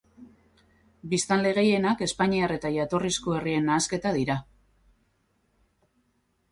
Biztanle gehienak espainiar eta jatorrizko herrien nahasketa dira.